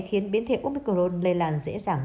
khiến biến thể omicron lây làn dễ dàng